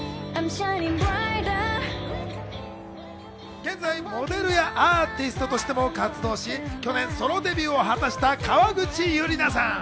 現在モデルやアーティストとしても活動し去年、ソロデビューを果たした、ＫａｗａｇｕｃｈｉＹｕｒｉｎａさん。